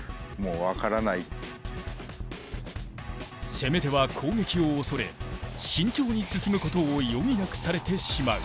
攻め手は攻撃を恐れ慎重に進むことを余儀なくされてしまう。